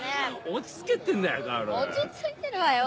落ち着いてるわよ。